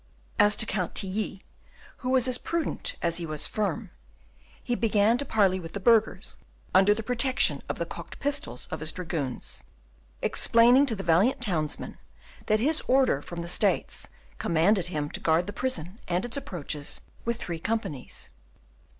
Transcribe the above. As to Count Tilly, who was as prudent as he was firm, he began to parley with the burghers, under the protection of the cocked pistols of his dragoons, explaining to the valiant townsmen, that his order from the States commanded him to guard the prison and its approaches with three companies.